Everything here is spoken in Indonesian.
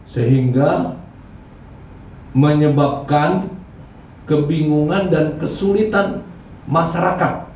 sehingga menyebabkan kebingungan dan kesulitan masyarakat